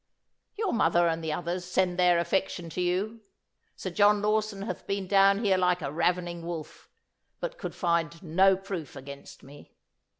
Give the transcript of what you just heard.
Your mother and the others send their affection to you. Sir John Lawson hath been down here like a ravening wolf, but could find no proof against me.